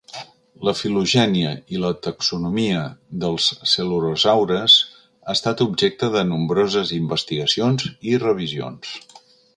La filogènia i la taxonomia dels celurosaures ha estat objecte de nombroses investigacions i revisions.